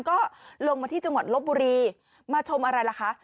ก็ลงมาที่จังหวัดลบบุรีมาชมอะไรล่ะคะ